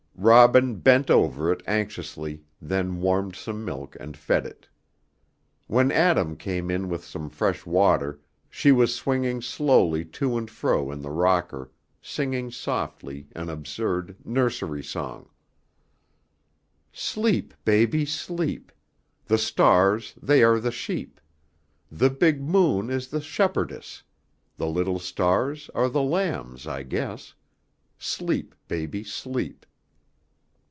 Robin bent over it anxiously, then warmed some milk and fed it. When Adam came in with some fresh water she was swinging slowly to and fro in the rocker, singing softly an absurd nursery song: "Sleep, baby, sleep. The stars they are the sheep; The big moon is the shepherdess; The little stars are the lambs, I guess. Sleep, baby, sleep."